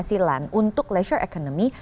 dari penghasilan untuk leisure economy